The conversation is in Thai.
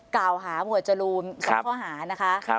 กล่าวหาหมวดจรูน๒ข้อหานะคะ